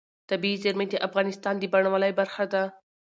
طبیعي زیرمې د افغانستان د بڼوالۍ برخه ده.